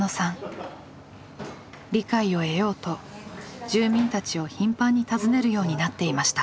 理解を得ようと住民たちを頻繁に訪ねるようになっていました。